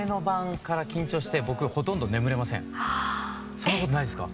そんなことないですか？